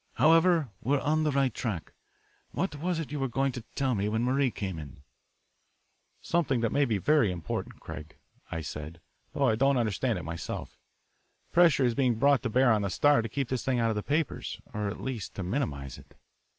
"However, we are on the right track. What was it that you were going to tell me when Marie came in?" "Something that may be very important, Craig," I said, "though I don't understand it myself. Pressure is being brought to bear on the Star to keep this thing out of the papers, or at least to minimise it."